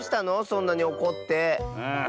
そんなにおこって。